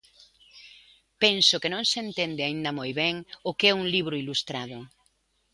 Penso que non se entende aínda moi ben o que é un libro ilustrado.